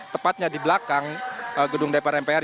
tepatnya di belakang gedung dpr mpr